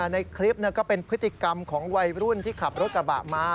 ในคลิปก็เป็นพฤติกรรมของวัยรุ่นที่ขับรถกระบะมา